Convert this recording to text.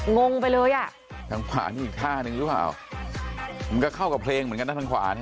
งงไปเลยอ่ะทางขวานี่อีกท่านึงหรือเปล่ามันก็เข้ากับเพลงเหมือนกันนะทางขวาเนี่ย